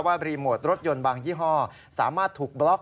รีโมทรถยนต์บางยี่ห้อสามารถถูกบล็อก